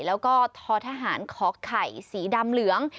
แล้วก็ททหารขอไข่สีดำเหลือง